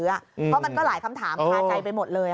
เพราะมันก็หลายคำถามคาใจไปหมดเลย